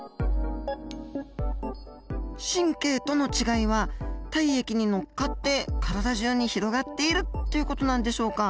神経との違いは体液に乗っかって体中に広がっているっていう事なんでしょうか？